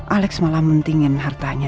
alex malah mentingin hartanya